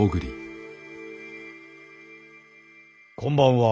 こんばんは。